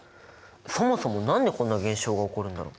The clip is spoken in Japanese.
そもそも何でこんな現象が起こるんだろう！？